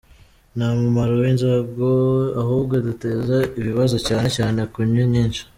Nta mumaro w’inzoga ahubwo ziteza ibibazo cyane cyane kunywa nyinshi.